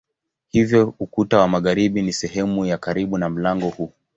Hivyo ukuta wa magharibi ni sehemu ya karibu na mlango huu.